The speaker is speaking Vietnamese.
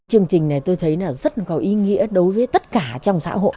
chương trình này tôi thấy là rất là có ý nghĩa đối với tất cả trong xã hội